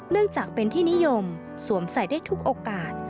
เนื่องจากเป็นที่นิยมสวมใส่ได้ทุกโอกาส